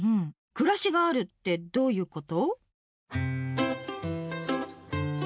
「暮らしがある」ってどういうこと？